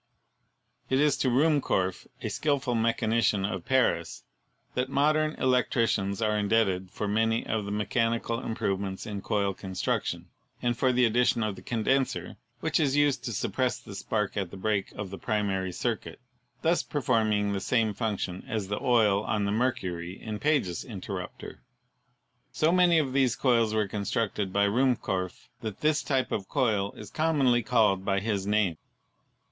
It is to Ruhmkorff, a skilful mechanician of Paris, that modern electricians are indebted for many of the me chanical improvements in coil construction, and for the addition of the condenser which is used to suppress the spark at the break of the primary circuit, thus performing the same function as the oil on the mercury in Page's in terrupter. So many of these coils were constructed by Ruhmkorff that this type of coil is commonly called by his name.